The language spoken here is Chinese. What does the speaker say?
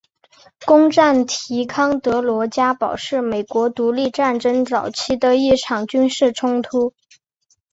攻占提康德罗加堡是美国独立战争早期的一场军事冲突。